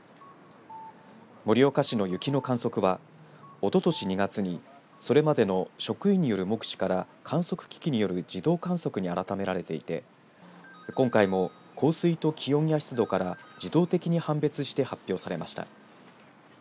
盛岡市の雪の観測はおととし２月にそれまでの職員による目視から観測機器による自動観測に改められていて今回も降水と気温や湿度から自動的に判別して発表されました。